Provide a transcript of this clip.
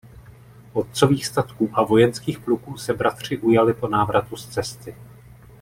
Otcových statků a vojenských pluků se bratři ujali po návratu z cesty.